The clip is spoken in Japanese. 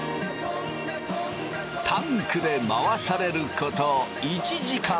タンクで回されること１時間。